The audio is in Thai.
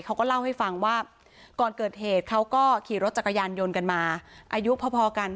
เขาก็เล่าให้ฟังว่าก่อนเกิดเหตุเขาก็ขี่รถจักรยานยนต์กันมาอายุพอกัน